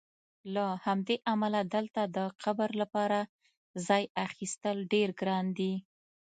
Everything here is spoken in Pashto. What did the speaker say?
له همدې امله دلته د قبر لپاره ځای اخیستل ډېر ګران دي.